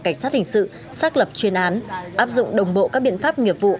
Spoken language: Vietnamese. cảnh sát hình sự xác lập chuyên án áp dụng đồng bộ các biện pháp nghiệp vụ